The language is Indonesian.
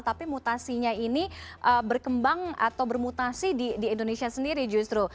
tapi mutasinya ini berkembang atau bermutasi di indonesia sendiri justru